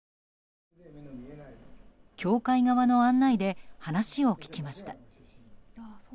教会側の案内で話を聞きました。